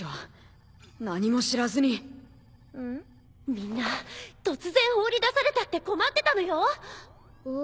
みんな突然放り出されたって困ってたのよ。